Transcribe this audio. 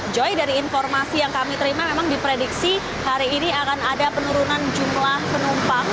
joy dari informasi yang kami terima memang diprediksi hari ini akan ada penurunan jumlah penumpang